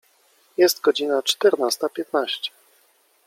Jest godzina czternasta piętnaście.